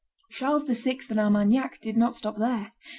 Charles VI. and Armagnac did not stop there.